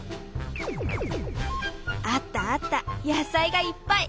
あったあった野菜がいっぱい！